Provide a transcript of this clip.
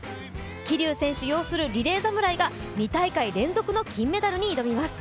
桐生選手擁するリレー侍が２大会連続の金メダルに挑みます。